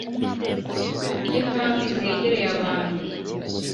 ry intambi zegereye ahantu